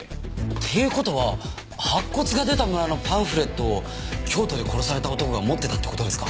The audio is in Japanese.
っていう事は白骨が出た村のパンフレットを京都で殺された男が持ってたって事ですか？